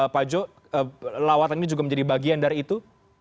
pak jo lawatan ini juga menjadi bagian dari itu